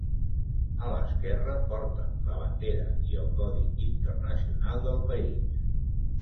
A l'esquerra porten la bandera i el codi internacional del país.